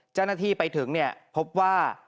เจ้าหน้าที่ไปถึงเนี่ยพบว่า